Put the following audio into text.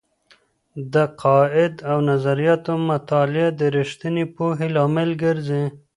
د عقائد او نظریاتو مطالعه د رښتینې پوهې لامل ګرځي.